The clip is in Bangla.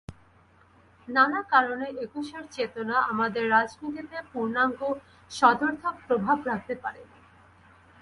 নানা কারণে একুশের চেতনা আমাদের রাজনীতিতে পূর্ণাঙ্গ, সদর্থক প্রভাব রাখতে পারেনি।